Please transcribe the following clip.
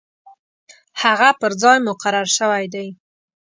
هغه پر ځای مقرر شوی دی.